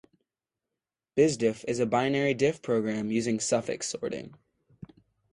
Bsdiff is a binary diff program using suffix sorting.